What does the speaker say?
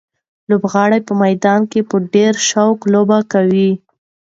لوبغاړي په میدان کې په ډېر شوق لوبې کوي.